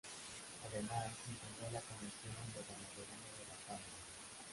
Además, integró la Comisión de Ganadería de la Cámara.